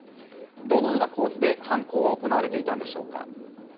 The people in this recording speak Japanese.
どのような構図で犯行は行われていたんでしょうか。